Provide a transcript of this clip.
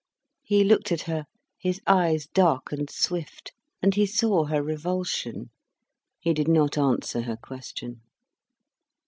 He looked at her, his eyes dark and swift, and he saw her revulsion. He did not answer her question.